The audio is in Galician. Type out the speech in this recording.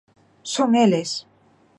Son eles!